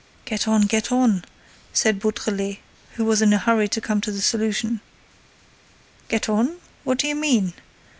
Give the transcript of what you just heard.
"Get on, get on!" said Beautrelet, who was in a hurry to come to the solution. "Get on? What do you mean?